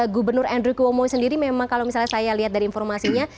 gubernur andri kuomo sendiri memang kalau misalnya saya lihat dari informasinya